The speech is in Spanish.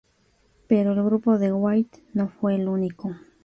Pero el grupo de White no fue el único.